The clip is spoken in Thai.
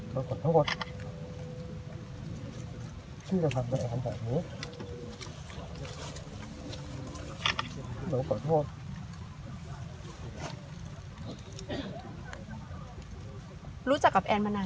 โดยไม่ได้รับรายละคร